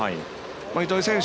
糸井選手